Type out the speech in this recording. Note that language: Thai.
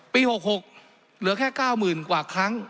ปี๖๖เหลือแค่๙๐๐๐กว่าครั้ง